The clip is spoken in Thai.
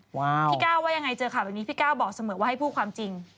พี่ก้าวว่ายังไงเจอข่าวแบบนี้พี่ก้าวบอกเสมอว่าให้พูดความจริง